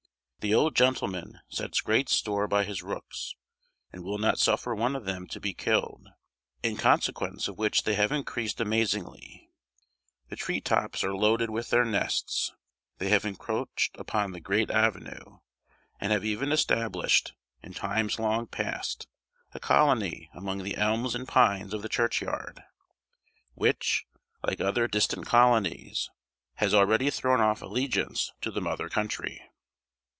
The old gentleman sets great store by his rooks, and will not suffer one of them to be killed, in consequence of which they have increased amazingly; the tree tops are loaded with their nests; they have encroached upon the great avenue, and have even established, in times long past, a colony among the elms and pines of the churchyard, which, like other distant colonies, has already thrown off allegiance to the mother country.